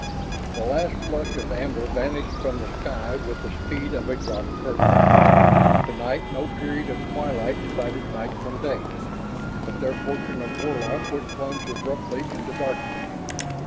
The last flush of amber vanished from the sky with the speed of a dropped curtain. Tonight no period of twilight divided night from day, but their portion of Warlock was plunged abruptly into darkness.